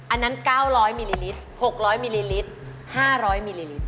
อันนั้น๙๐๐มิลลิลิตร๖๐๐มิลลิลิตร๕๐๐มิลลิลิตร